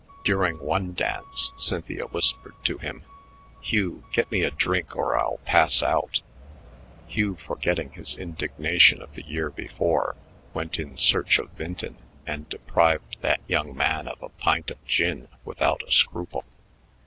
During one dance Cynthia whispered to him, "Hugh, get me a drink or I'll pass out." Hugh, forgetting his indignation of the year before, went in search of Vinton and deprived that young man of a pint of gin without a scruple.